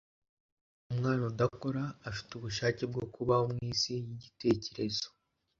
umwana udakora afite ubushake bwo kubaho mwisi yigitekerezo